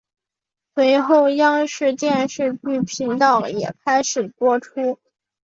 随后央视电视剧频道也开始播出。